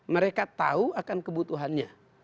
mereka tahu akan kebutuhannya